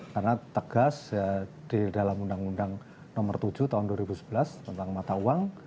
karena tegas di dalam undang undang nomor tujuh tahun dua ribu sebelas tentang mata uang